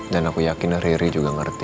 dan aku yakin riri juga ngerti